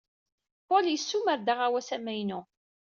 Paul yessumer-d aɣawas amaynu.